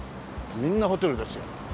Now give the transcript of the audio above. みんなホテルですよ。